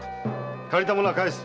借りたものは返す。